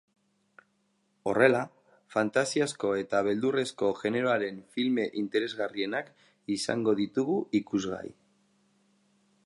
Horrela, fantasiazko eta beldurrezko generoaren filme interesgarrienak izango ditugu ikusgai.